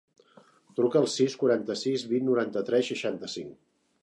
Truca al sis, quaranta-sis, vint, noranta-tres, seixanta-cinc.